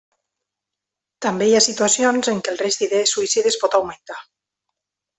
També hi ha situacions en què el risc d'idees suïcides pot augmentar.